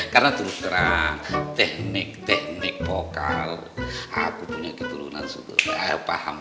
karena terus terang teknik teknik vokal aku punya keturunan suka paham